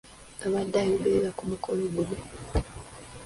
Abadde ayogerera ku mukolo guno .